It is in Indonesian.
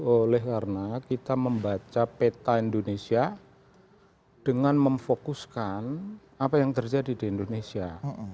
oleh karena kita membaca peta indonesia dengan memfokuskan apa yang terjadi di indonesia